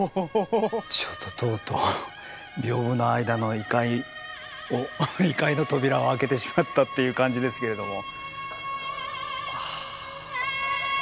ちょっととうとう屏風の間の異界の扉を開けてしまったっていう感じですけれども。